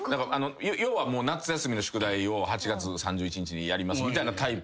要は夏休みの宿題を８月３１日にやりますみたいなタイプで。